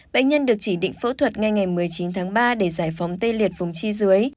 bệnh nhân được chỉ định phẫu thuật ngay ngày một mươi chín tháng ba để giải phóng tê liệt vùng chi dưới